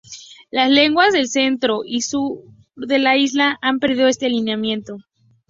Las lenguas del centro y sur de la isla han perdido este alineamiento.